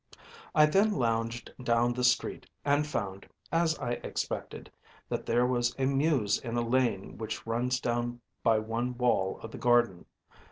“I then lounged down the street and found, as I expected, that there was a mews in a lane which runs down by one wall of the garden.